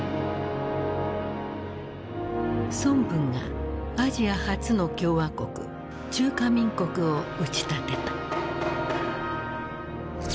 孫文がアジア初の共和国中華民国を打ち立てた。